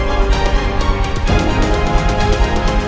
pikirin bunda kamu